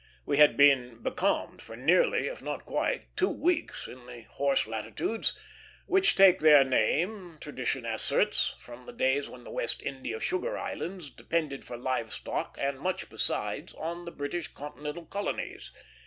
We had been becalmed for nearly, if not quite, two weeks in the "horse latitudes;" which take their name, tradition asserts, from the days when the West India sugar islands depended for live stock, and much besides, on the British continental colonies.